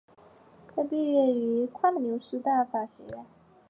他毕业于布拉迪斯拉发夸美纽斯大学法学院。